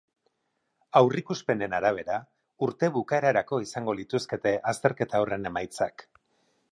Aurrikuspenen arabera, urte bukaerarako izango lituzkete azterketa horren emaitzak.